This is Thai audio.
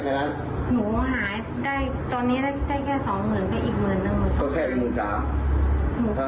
แต่ว่าหนูขอสักสามนะครับสามหมื่นสามหนูต้องสามหมื่นสามได้แค่นั้น